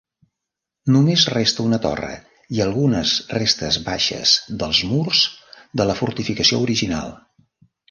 Només resta una torre i algunes restes baixes dels murs de la fortificació original.